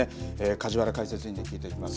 梶原解説委員に聞いてみます。